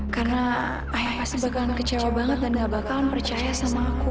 karena ayah pasti bakalan kecewa banget dan nggak bakalan percaya sama aku